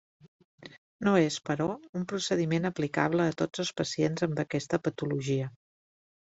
No és, però, un procediment aplicable a tots els pacients amb aquesta patologia.